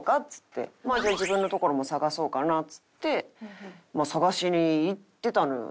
じゃあ自分の所も探そうかなっつって探しに行ってたのよ。